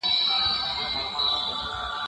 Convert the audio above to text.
لارښوونې او ملاتړ ډلې تشه ډکوي.